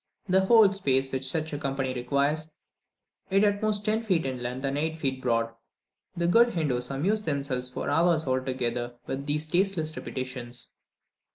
The whole space which such a company requires, is at the most ten feet in length and eight broad. The good Hindoos amuse themselves for hours together with these tasteless repetitions.